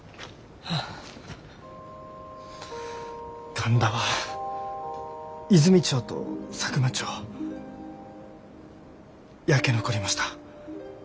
神田は和泉町と佐久間町焼け残りました。